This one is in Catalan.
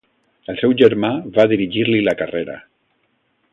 El seu germà va dirigir-li la carrera.